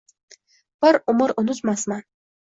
Bir umr unutmasman.